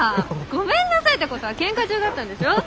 ごめんなさいってことは喧嘩中だったんでしょ？